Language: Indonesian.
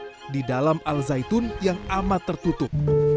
apa saja di dalam al zaitun yang amat tertutup